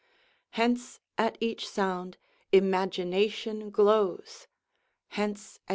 Hence at each sound imagination glows; [_The MS.